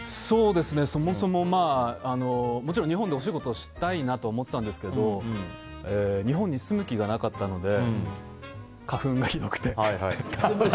そもそも、もちろん日本でお仕事したいなと思ってたんですけど日本に住む気がなかったので花粉がひどくてね。